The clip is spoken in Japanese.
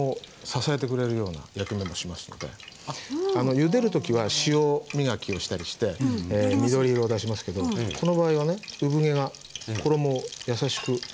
ゆでる時は塩磨きをしたりして緑色を出しますけどこの場合はね産毛が衣を優しく守っていますから。